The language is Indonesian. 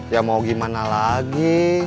ya mau gimana lagi